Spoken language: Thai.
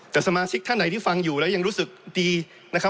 แต่สมาชิกท่านไหนที่ฟังอยู่แล้วยังรู้สึกดีนะครับ